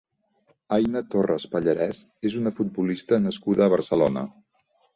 Aina Torres Pallarès és una futbolista nascuda a Barcelona.